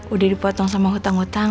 udah dipotong sama hutang hutang